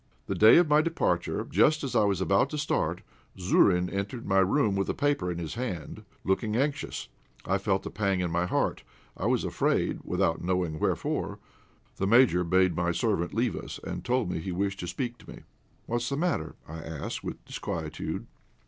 The day of my departure, just as I was about to start, Zourine entered my room with a paper in his hand, looking anxious. I felt a pang at my heart; I was afraid, without knowing wherefore. The Major bade my servant leave us, and told me he wished to speak to me. "What's the matter?" I asked, with disquietude.